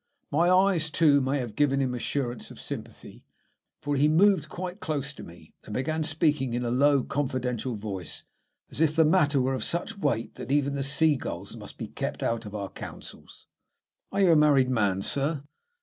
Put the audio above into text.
My eyes, too, may have given him assurance of sympathy, for he moved quite close to me and began speaking in a low, confidential voice, as if the matter were of such weight that even the sea gulls must be kept out of our councils. "Are you a married man, Sir?"